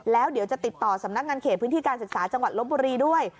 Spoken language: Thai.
แล้วเดี๋ยวจะติดต่อสำนักงานเขตพื้นที่การศึกษาจังหวัดลบบุรีด้วย